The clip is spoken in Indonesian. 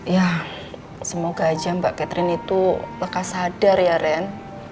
ya semoga aja mbak catherine itu lekas sadar ya ren